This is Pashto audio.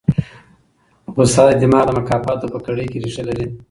غوسه د دماغ د مکافاتو په کړۍ کې ریښه لري.